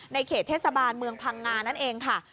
เขตเทศบาลเมืองพังงานั่นเองค่ะ